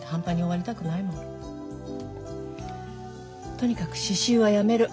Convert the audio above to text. とにかく刺繍はやめる。